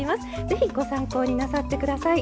ぜひご参考になさって下さい。